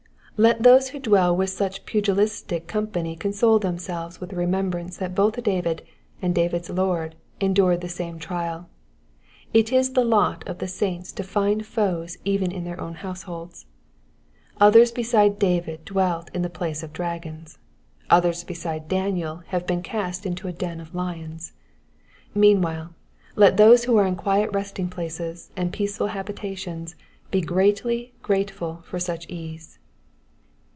Let those who dwell with such pugilistic company console themselves with the remembrance that both David and David's Lord endured the same trial. It is the lot of the saints to find foes even in their own households. Others besides David dwelt in the place of dragons. Others besides Daniel have been cast into a den of lions. Meanwhile, let those who are in quiet resting places and peaceful habitations be greatly grateful for such ease.